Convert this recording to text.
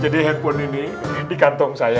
jadi handphone ini di kantong saya